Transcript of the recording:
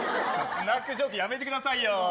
スナックジョークやめてくださいよ。